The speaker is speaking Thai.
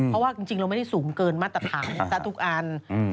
เพราะว่าจริงเราไม่ได้สูงเกินมาตรฐานซะทุกอัน